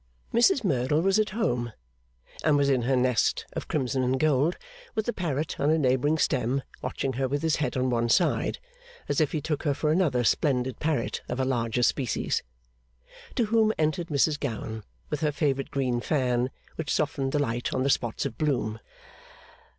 Mrs Merdle was at home, and was in her nest of crimson and gold, with the parrot on a neighbouring stem watching her with his head on one side, as if he took her for another splendid parrot of a larger species. To whom entered Mrs Gowan, with her favourite green fan, which softened the light on the spots of bloom.